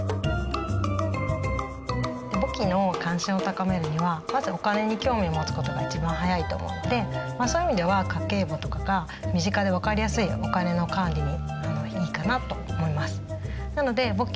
簿記の関心を高めるにはまずお金に興味を持つ事が一番早いと思うのでそういう意味では家計簿とかが身近で分かりやすいお金の管理にいいかなと思います。